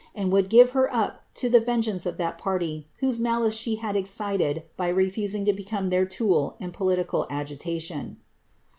and would give her up to the vengeance of that party whose malice she had excited by refusing to become their tool in political agitation.